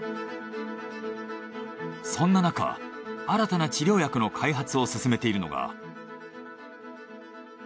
そんななか新たな治療薬の開発を進めているのが。